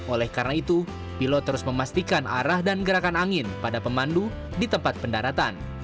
oleh karena itu pilot terus memastikan arah dan gerakan angin pada pemandu di tempat pendaratan